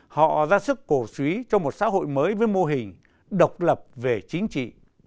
họ ra sức cổ suý cho một xã hội mới với mô hình độc lập về chính trị